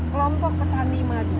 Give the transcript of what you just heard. kelompok petani madu